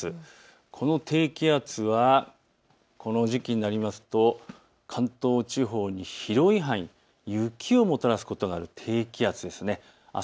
この低気圧はこの時期になりますと関東地方の広い範囲に雪をもたらすことがある低気圧です。